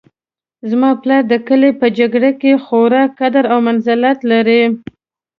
زما پلار د کلي په جرګه کې خورا قدر او منزلت لري